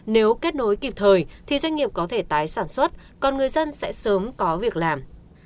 nếu kết nối kịp thời thì doanh nghiệp có thể tái sản xuất còn người dân sẽ sớm có việc làm